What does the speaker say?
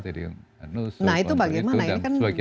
jadi manusia pemerintah dan sebagainya lagi penjara